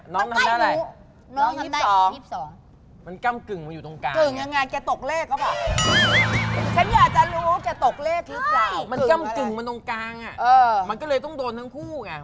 ๒๕น้องทำได้อะไรน้อง๒๒มันก้ำกึ่งมาอยู่ตรงกลางเนี่ยมันก้ำกึ่งมาตรงกลางอะมันก็เลยต้องโดนทั้งคู่ไง